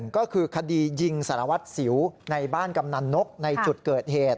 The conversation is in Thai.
ก็คือคดียิงสารวัตรสิวในบ้านกำนันนกในจุดเกิดเหตุ